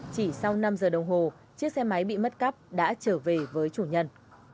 chỉ sau năm giờ đồng hồ chiếc xe máy bị mất cắp đã trở về với chủ nhân